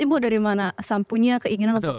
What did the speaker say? ibu dari mana sampunya keinginan untuk